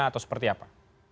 atau seperti apa